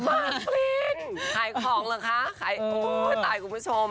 วินขายของเหรอคะขายโอ้ยตายคุณผู้ชม